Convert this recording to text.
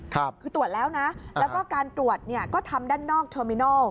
คือตรวจแล้วนะแล้วก็การตรวจเนี่ยก็ทำด้านนอกเทอร์มิโน